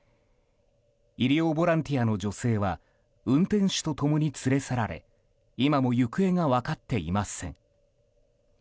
医療ボランティアの女性は運転手と共に連れ去られ今も行方が分かっていません。